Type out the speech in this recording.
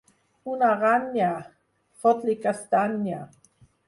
Una aranya! —Fot-li castanya!